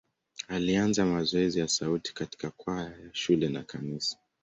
Alianza mazoezi ya sauti katika kwaya ya shule na kanisa.